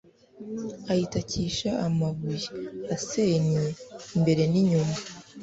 ayitakisha amabuye asennye imbere n'inyuma